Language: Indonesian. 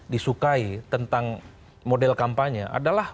disukai tentang model kampanye adalah